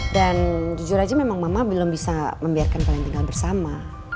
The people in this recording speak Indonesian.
dan jujur aja memang mama belum bisa membiarkan kalian tinggal bersama